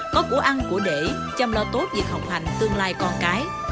có củ ăn của đệ chăm lo tốt việc học hành tương lai con cái